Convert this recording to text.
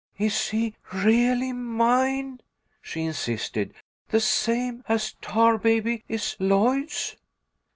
"Is he really mine?" she insisted, "the same as Tarbaby is Lloyd's?"